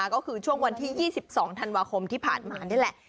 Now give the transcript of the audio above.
ก็คือช่วงวันที่๒๒ธันวาคมที่ผ่านมานี่แหละ